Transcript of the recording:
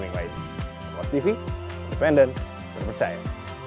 sampai jumpa di video selanjutnya